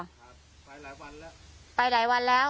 ครับไปหลายวันแล้ว